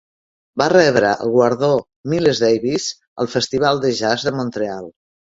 Va rebre el guardó Miles Davis al Festival de Jazz de Montreal.